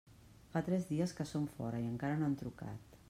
Fa tres dies que són fora i encara no han trucat.